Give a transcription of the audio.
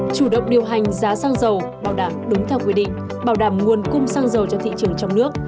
chủ động điều hành giá xăng dầu bảo đảm đúng theo quy định bảo đảm nguồn cung xăng dầu cho thị trường trong nước